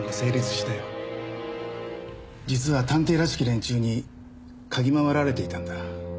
実は探偵らしき連中に嗅ぎ回られていたんだ。